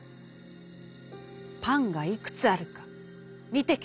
『パンがいくつあるか見て来なさい』。